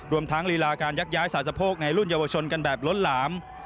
รวมทั้งลีลาการยักย้ายสาสะโพกในรุ่นเยาวชนกันแบบล้นหลาม